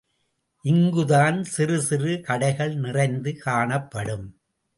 இங்குத் தான் சிறு சிறு கடைகள் நிறைந்து காணப்படும்.